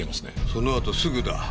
そのあとすぐだ。